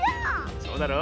そうだろ。